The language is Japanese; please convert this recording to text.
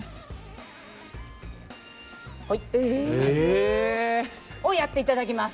え？をやっていただきます。